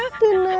kita taruh nih